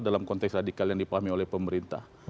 dalam konteks radikal yang dipahami oleh pemerintah